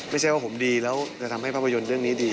ไม่ใช่ว่าผมดีแล้วจะทำให้ภาพยนตร์เรื่องนี้ดี